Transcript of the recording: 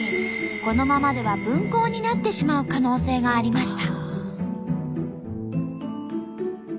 このままでは分校になってしまう可能性がありました。